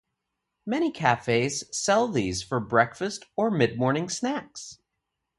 Many cafes sell these for breakfast or midmorning snacks.